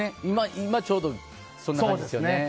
今、ちょうどそんな感じですよね。